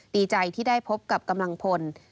ดีใจที่ได้พบกับกำลังพล